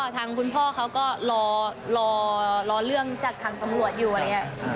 ทางคุณพ่อเขาก็รอเรื่องจากทางตำรวจอยู่อะไรอย่างนี้